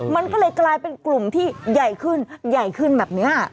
มันก็เลยกลายเป็นกลุ่มที่ใหญ่ขึ้นใหญ่ขึ้นแบบนี้